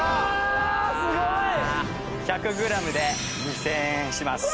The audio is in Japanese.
すごい！１００グラムで２０００円します。